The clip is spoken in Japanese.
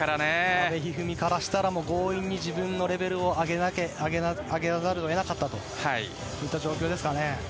阿部一二三からしたら強引に自分のレベルを上げざるを得なかった状況ですかね。